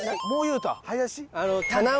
もう言うた？